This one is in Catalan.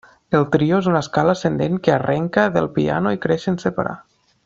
El trio és una escala ascendent que arranca del piano i creix sense parar.